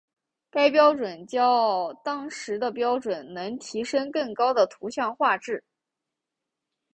该标准较当时的标准能提升更高的图像画质。